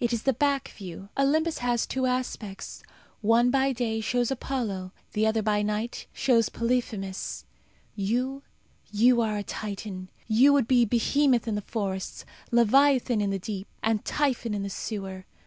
It is the back view. Olympus has two aspects. One, by day, shows Apollo; the other, by night, shows Polyphemus. You you are a Titan. You would be Behemoth in the forests, Leviathan in the deep, and Typhon in the sewer.